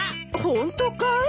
ホントかい？